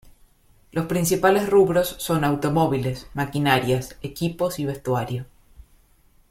Los principales rubros son automóviles, maquinarias, equipos y vestuario.